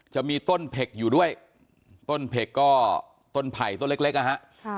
จะมีต้นเผ็กอยู่ด้วยต้นเผ็กก็ต้นไผ่ต้นเล็กนะฮะ